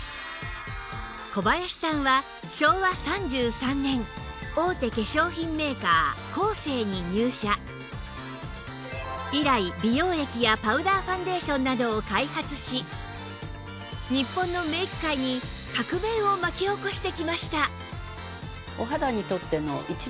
小林さんは以来美容液やパウダーファンデーションなどを開発し日本のメイク界に革命を巻き起こしてきました